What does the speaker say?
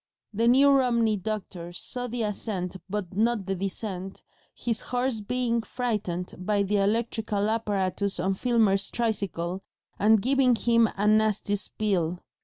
The New Romney doctor saw the ascent but not the descent, his horse being frightened by the electrical apparatus on Filmer's tricycle and giving him a nasty spill.